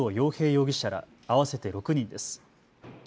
容疑者ら合わせて６人です。